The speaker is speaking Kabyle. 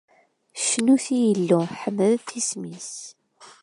Cnut i Yillu, ḥemdet isem-is.